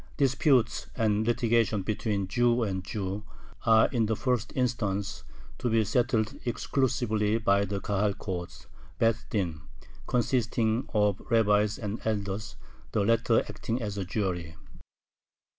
Disputes and litigation between Jew and Jew are in the first instance to be settled exclusively by the Kahal court (beth din), consisting of rabbis and elders, the latter acting as a jury.